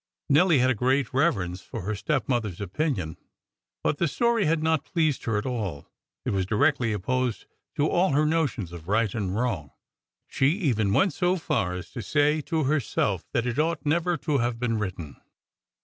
Nelly had a great reverence for her stepmother's opinion; but the story had not pleased her at all. It was directly opposed to all her notions of right and wrong. She even went so far as to say to herself that it ought never to have been written.